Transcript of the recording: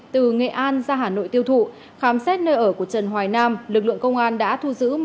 từ nghệ an ra hà nội tiêu thụ khám xét nơi ở của trần hoài nam lực lượng công an đã thu giữ